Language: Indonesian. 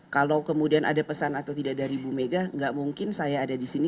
kalau kemudian ada pesan atau tidak dari bu mega gak mungkin saya ada di sini